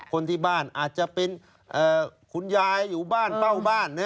คนที่บ้านอาจจะเป็นคุณยายอยู่บ้านเฝ้าบ้าน